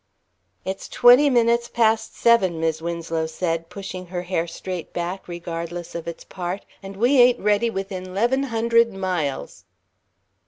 "It's twenty minutes past seven," Mis' Winslow said, pushing her hair straight back, regardless of its part, "and we ain't ready within 'leven hundred miles."